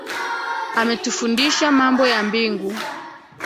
Ametufundisha mambo ya mbingu